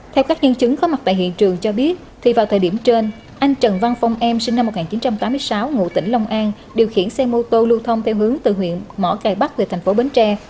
theo các nhân chứng có mặt tại hiện trường cho biết thì vào thời điểm trên anh trần văn phong em sinh năm một nghìn chín trăm tám mươi sáu ngụ tỉnh long an điều khiển xe mô tô lưu thông theo hướng từ huyện mỏ cải bắc về thành phố bến tre